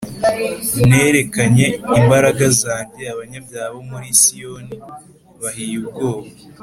Nerekanye imbaraga zanjye Abanyabyaha bo muri Siyoni bahiye ubwoba